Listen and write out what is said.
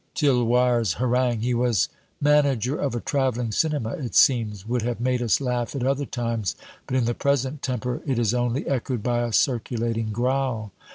'" Tirloir's harangue he was manager of a traveling cinema, it seems would have made us laugh at other times, but in the present temper it is only echoed by a circulating growl.